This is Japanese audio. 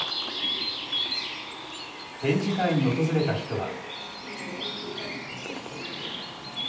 展示会に訪れた人は。